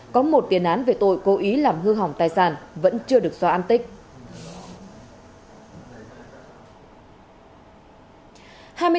có một tiền án về tội cố ý làm hư hỏng tài sản vẫn chưa được xóa an tích